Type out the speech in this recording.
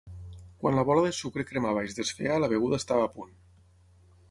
Quan la bola de sucre cremava i es desfeia la beguda estava a punt.